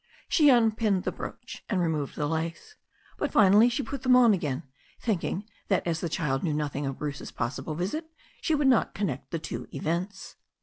She unpinned the brooch and removed the lace. But finally she put them on again, thinking that as the child knew nothing of Bruce's possible visit she would not connect the two events.